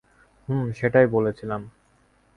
হুম, সেটাই বলছিলাম।